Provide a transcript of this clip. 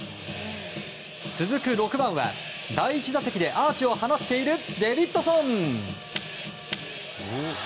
続く６番は、第１打席でアーチを放っているデビッドソン。